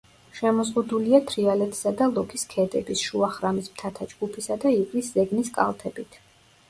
შემოზღუდულია თრიალეთისა და ლოქის ქედების, შუა ხრამის მთათა ჯგუფისა და ივრის ზეგნის კალთებით.